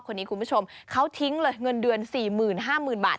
คุณผู้ชมเขาทิ้งเลยเงินเดือน๔๕๐๐๐บาท